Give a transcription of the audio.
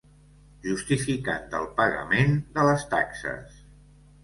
Justificant del pagament de les taxes.